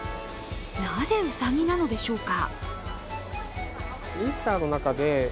なぜ、うさぎなのでしょうか。